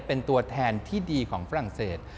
เป็นตัวแทนที่ดีของฝรั่งเศส